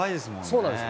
そうなんです。